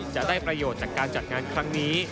จะได้ประโยชน์จากการจัดงานครั้งนี้